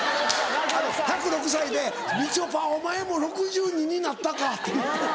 １０６歳で「みちょぱお前も６２歳になったか」って言って。